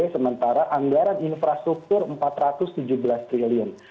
sementara anggaran infrastruktur rp empat ratus tujuh belas triliun